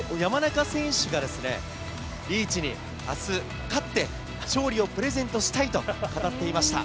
山中選手がですね、リーチにあす勝って、勝利をプレゼントしたいと語っていました。